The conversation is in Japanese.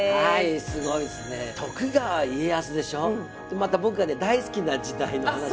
また僕がね大好きな時代の話ですからね。